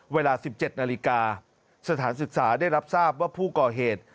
เวลา๑๗นาฬิกาสถานศึกษาได้รับทราบว่าผู้ก่อเหตุ